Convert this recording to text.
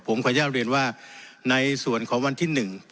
ผมขอแยกเรียนว่าในส่วนของวันที่หนึ่ง